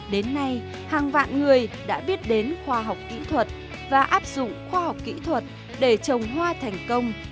đến nay hàng vạn người đã biết đến khoa học kỹ thuật và áp dụng khoa học kỹ thuật để trồng hoa thành công